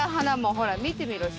ほら見てみろし。